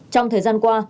trong thời gian qua